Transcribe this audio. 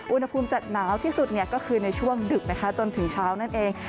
อุณหภูมิจะหนาวที่สุดก็คือในช่วงดึกนะคะจนถึงเช้านั่นเอง